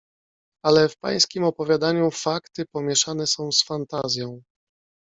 "Ale w pańskiem opowiadaniu fakty pomieszane są z fantazją."